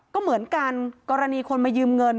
ก็เหมือนกันกรณีคนมายืมเงิน